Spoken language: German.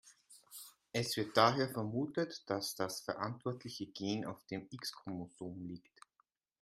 Es wird daher vermutet, dass das verantwortliche Gen auf dem X-Chromosom liegt.